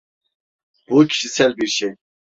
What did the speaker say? Bu kişisel bir şey.